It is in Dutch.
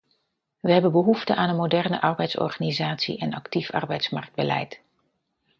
We hebben behoefte aan een moderne arbeidsorganisatie en actief arbeidsmarktbeleid.